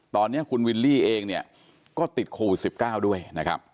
ตอนนี้คุณวิลลี่เองเนี่ยก็ติดโควิด๑๙ด้วยนะครับ